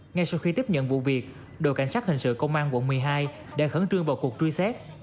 ngay sau khi tiếp nhận vụ việc đội cảnh sát hình sự công an quận một mươi hai đã khẩn trương vào cuộc truy xét